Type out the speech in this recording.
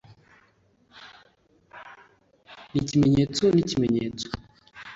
Ni ikimenyetso nikimenyetso